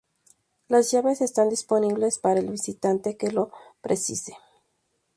Las llaves están disponibles para el visitante que lo precise.